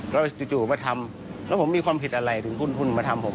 แล้วจู่มาทำแล้วผมมีความผิดอะไรถึงหุ้นมาทำผม